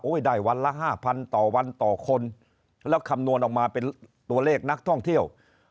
ได้วันละห้าพันต่อวันต่อคนแล้วคำนวณออกมาเป็นตัวเลขนักท่องเที่ยว